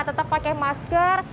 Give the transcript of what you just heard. tetap pakai masker